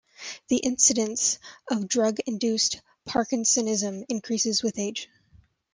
The incidence of drug-induced parkinsonism increases with age.